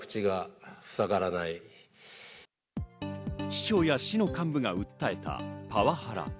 市長や市の幹部が訴えたパワハラ。